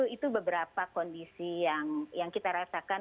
itu beberapa kondisi yang kita rasakan